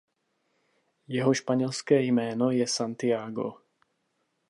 Jeho španělské jméno je Santiago.